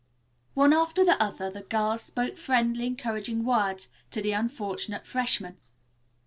One after the other the girls spoke friendly, encouraging words to the unfortunate freshman.